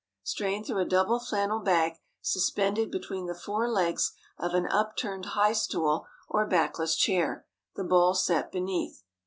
Strain through a double flannel bag suspended between the four legs of an upturned high stool or backless chair, the bowl set beneath.